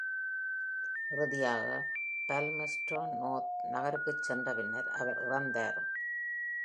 இறுதியாக Palmerston North நகருக்குச் சென்ற பின்னர் அவர் இறந்தார்.